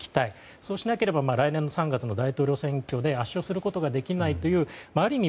そうしなければ来年の３月の大統領選挙で圧勝することができないというある意味